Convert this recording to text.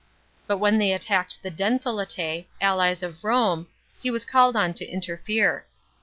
But when they attacked the Dentheletse, allies of Home, he was called on to interfere.